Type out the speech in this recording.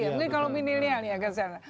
mungkin kaum milenial ya